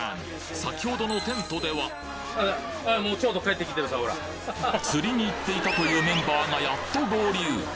先ほどのテントでは釣りに行っていたというメンバーがやっと合流